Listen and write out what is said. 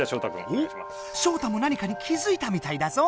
おっショウタも何かに気づいたみたいだぞ！